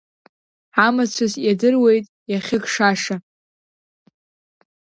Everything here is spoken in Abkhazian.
Амацәыс иадыруеит иахьыкшаша.